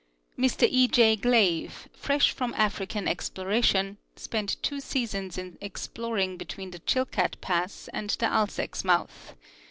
Mr E. J. Glave, fresh from African exploration, spent two seasons in exploring between the Chilkat pass and the Alsek's mouth.